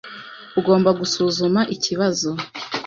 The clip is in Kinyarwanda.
Ugomba gusuzuma ikibazo.